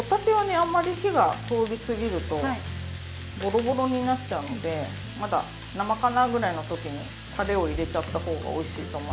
あんまり火が通りすぎるとボロボロになっちゃうのでまだ生かなぐらいのときにたれを入れちゃった方がおいしいと思います。